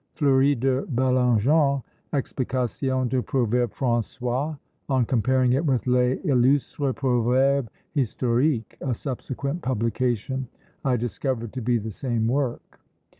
Fleury de Bellingen's Explication de Proverbes François, on comparing it with Les Illustres Proverbes Historiques, a subsequent publication, I discovered to be the same work.